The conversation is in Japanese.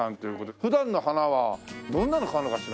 普段の花はどんなの買うのかしら？